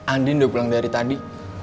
andin udah pulang dari tadi